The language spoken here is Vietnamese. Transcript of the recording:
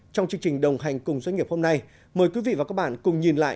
trong chương trình đồng hành cùng doanh nghiệp hôm nay mời quý vị và các bạn cùng nhìn lại